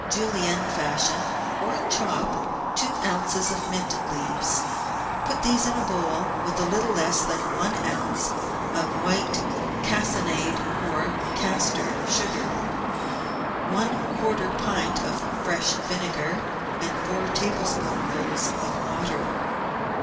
Julienne fashion, or chop, two oz. of mint leaves. Put these in a bowl with a little less than one oz. of white cassonade or castor sugar, one quarter pint of fresh vinegar, and four tablespoonfuls of water.